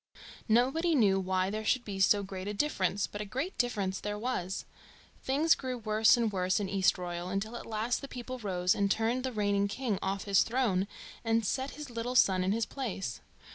Nobody knew why there should be so great a difference, but a great difference there was. Things grew worse and worse in Eastroyal, until at last the people rose and turned the reigning king off his throne and set his little son in his place.